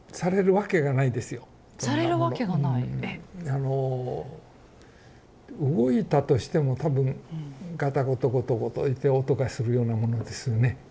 あの動いたとしても多分がたごとごとごといって音がするようなものですよね。